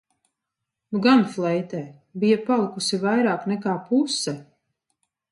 Nu gan fleitē, bija palikusi vairāk nekā puse!